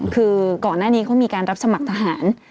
คือก่อนหน้านี้เขามีการรับสมัครทหาร